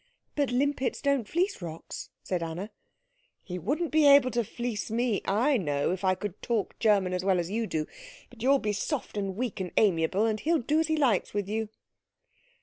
"But limpets don't fleece rocks," said Anna. "He wouldn't be able to fleece me, I know, if I could talk German as well as you do. But you'll be soft and weak and amiable, and he'll do as he likes with you."